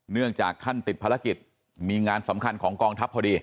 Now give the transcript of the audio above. เนื่องจากท่านติดภารกิจมีงานสำคัญของกองทัพพอดี